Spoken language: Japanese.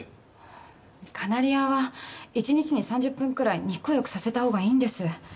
カナリアは１日に３０分くらい日光浴させたほうがいいんです。